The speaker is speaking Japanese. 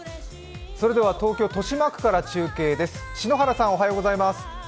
それでは東京・豊島区から中継です。